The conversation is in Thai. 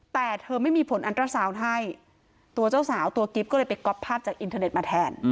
แต่เธอไม่มีผลอันตราสารให้ตัวเจ้าสาวตัวกิ๊บก็เลยไปก๊อปภาพจากอินเทอร์เน็ตมาแทน